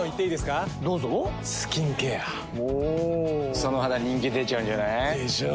その肌人気出ちゃうんじゃない？でしょう。